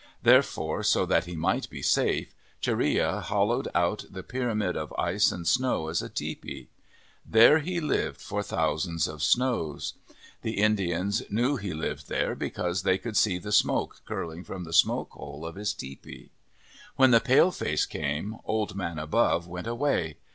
Therefore, so that he might be safe, Chareya hollowed out the pyramid of ice and snow as a tepee. There he lived for thousands of snows. The Indians knew he lived there because they could see the smoke curling from the smoke hole of his tepee. When the pale face came, Old Man Above went away.